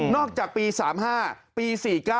นอกจากปี๓๕ปี๔๙